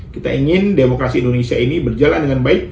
kita ingin demokrasi indonesia ini berjalan dengan baik